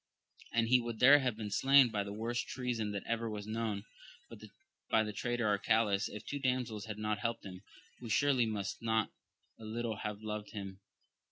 And he would there have been slain by the worst treason that ever was known, by the traitor Arcalaus, if two damsels had not helped him, who surely must not a little have loved him.